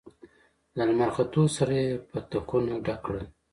له لمر ختو سره يې پتکونه ډک کړل.